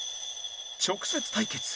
直接対決